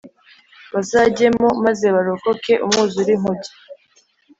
Bazajyemo Maze Barokoke Umwuzure Inkuge